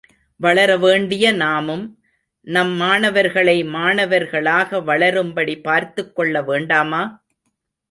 வளர வேண்டிய நாமும், நம் மாணவர்களை மாணவர்களாக வளரும்படி பார்த்துக் கொள்ளவேண்டாமா?